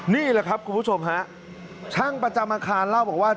นี่แหละครับคุณผู้ชมฮะช่างประจำอาคารเล่าบอกว่า